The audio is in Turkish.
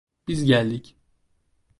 Biz geldik.